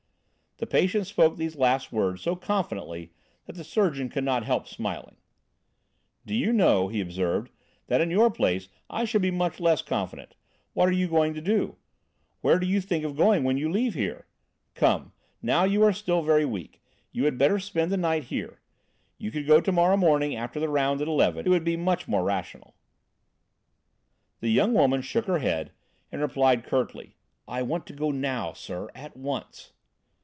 The patient spoke these last words so confidently that the surgeon could not help smiling. "Do you know," he observed, "that in your place I should be much less confident. What are you going to do? Where do you think of going when you leave here? Come, now, you are still very weak; you had much better spend the night here. You could go to morrow morning after the round at eleven. It would be much more rational." The young woman shook her head and replied curtly: "I want to go now, sir, at once."